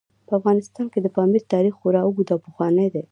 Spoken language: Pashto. په افغانستان کې د پامیر تاریخ خورا اوږد او پخوانی دی.